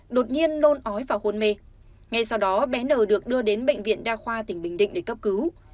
đột nhiên nôn ói và hôn mê ngay sau đó bé n được đưa đến bệnh viện đa khoa tỉnh bình định để cấp cứu